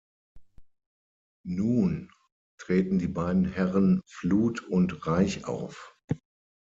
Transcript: Nun treten die beiden Herren Fluth und Reich auf.